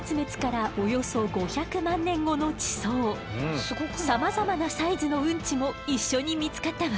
実はさまざまなサイズのウンチも一緒に見つかったわ。